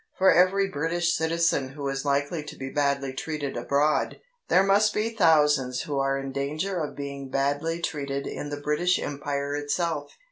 For every British citizen who is likely to be badly treated abroad, there must be thousands who are in danger of being badly treated in the British Empire itself.